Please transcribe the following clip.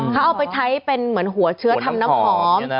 เขาเอาไปใช้เป็นเหมือนหัวเชื้อทำน้ำหอม